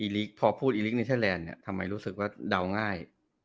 อีลิกพอพูดอีลิกต์เนธแลนด์ทำไมรู้สึกว่าดาวง่าย